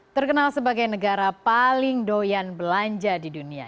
terkenal sebagai negara paling doyan belanja di dunia